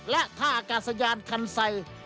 และท่าอากาศยานคันไซ